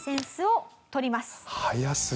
早すぎる！